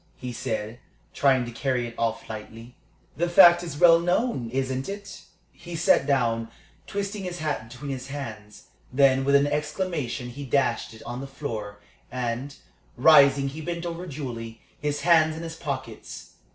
he said, trying to carry it off lightly. "The fact is well known, isn't it?" He sat down, twisting his hat between his hands. Then with an exclamation he dashed it on the floor, and, rising, he bent over Julie, his hands in his pockets.